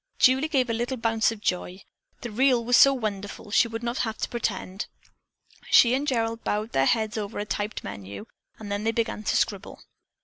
Julie gave a little bounce of joy. The "real" was so wonderful, she would not have to pretend. She and Gerald bowed their heads over a typed menu; and then they began to scribble.